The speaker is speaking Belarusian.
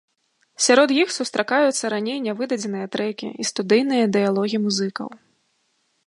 Сярод іх сустракаюцца раней нявыдадзеныя трэкі і студыйныя дыялогі музыкаў.